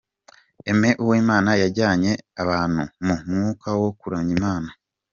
Aime Uwimana yajyanye abantu mu mwuka wo kuramya Imana.